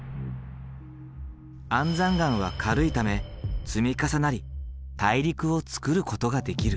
安山岩は軽いため積み重なり大陸をつくることができる。